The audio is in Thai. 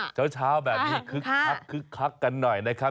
เช้าแบบนี้คึกคักคึกคักกันหน่อยนะครับ